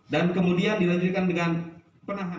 dan kemudian dilanjutkan dengan penyelidikan